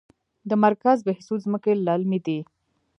د مرکز بهسود ځمکې للمي دي